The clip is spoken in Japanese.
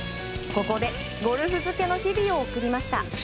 ここでゴルフ漬けの日々を送りました。